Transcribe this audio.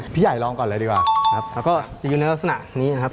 พี่ใหญ่ลองก่อนเลยดีกว่าครับแล้วก็จะอยู่ในลักษณะนี้นะครับ